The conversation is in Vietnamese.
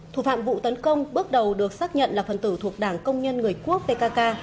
thủ phạm vụ tấn công bước đầu được xác nhận là phần tử thuộc đảng công nhân người quốc pkk